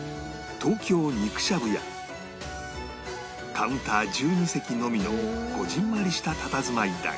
カウンター１２席のみのこぢんまりしたたたずまいだが